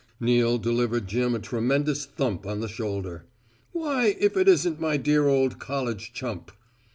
Neal delivered Jim a tremendous thump on the shoulder. "Why, if it isn't my dear old college chump."